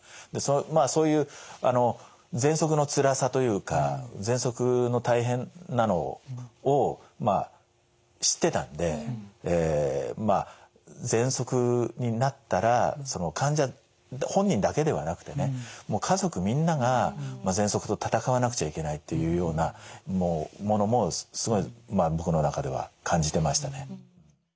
まあそういうあのぜんそくのつらさというかぜんそくの大変なのをまあ知ってたんでぜんそくになったら患者本人だけではなくてね家族みんながぜんそくと闘わなくちゃいけないっていうようなものもすごい僕の中では感じてましたね。